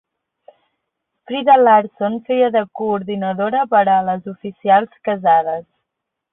Freda Larsson feia de coordinadora per a les oficials casades.